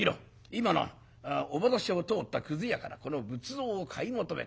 今なお窓下を通ったくず屋からこの仏像を買い求めた。